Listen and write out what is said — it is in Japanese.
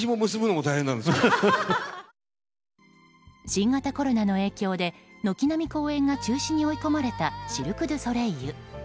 新型コロナの影響で、軒並み公演が中止に追い込まれたシルク・ドゥ・ソレイユ。